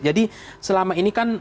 jadi selama ini kan